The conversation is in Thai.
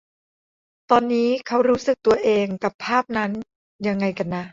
ตอนนี้เค้ารู้สึกตัวเองกับภาพนั้นยังไงกันนะ